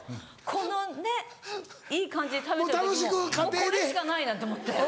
このねっいい感じで食べてる時にもうもうこれしかないなと思って。